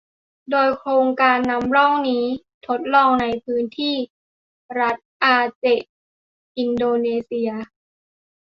โดยโครงการนำร่องนี้ทดลองในพื้นที่รัฐอาเจะห์ อินโดนีเซีย